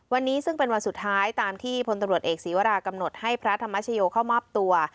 วันนี้ซึ่งเป็นวันสุดท้ายตามที่พลตำรวจเอกศีวรากำหนดให้พระธรรมชโยเข้ามอบตัว